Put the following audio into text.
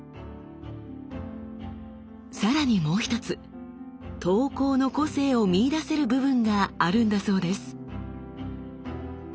さらにもう一つ刀工の個性を見いだせる部分があるんだそうです。